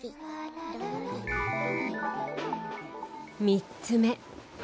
３ つ目。